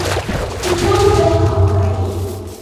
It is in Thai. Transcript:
คุณได้เจอเขาไหม